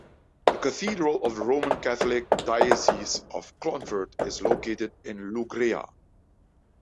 The cathedral of the Roman Catholic Diocese of Clonfert is located in Loughrea.